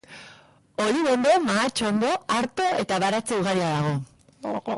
Olibondo, mahatsondo, arto eta baratze ugari dago.